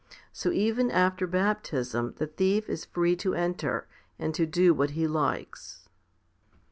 So even after baptism the thief is free to enter, and to do what he likes.